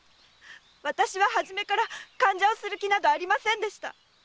私は初めから間者をする気などありませんでした！